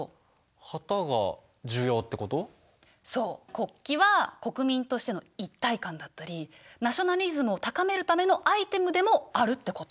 国旗は国民としての一体感だったりナショナリズムを高めるためのアイテムでもあるってこと。